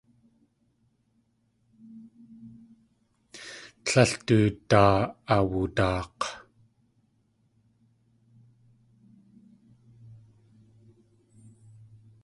Tlél du daa awudaak̲.